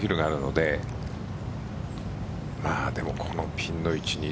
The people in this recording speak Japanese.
でも、このピンの位置に。